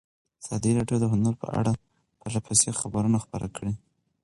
ازادي راډیو د هنر په اړه پرله پسې خبرونه خپاره کړي.